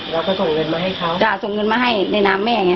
แล้วก็ส่งเงินมาให้เขาจ้ะส่งเงินมาให้ในน้ำแม่ไง